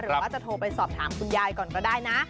หรือว่าจะโทรไปสอบถามคุณยายก่อนก็ได้นะ